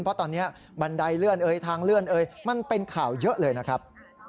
เพราะตอนนี้บันไดเลื่อนเอ่ยทางเลื่อนเอยมันเป็นข่าวเยอะเลยนะครับ